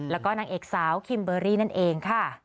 แล้วก็นางเอกสาวคิมเบอร์รี่นั่นเองค่ะ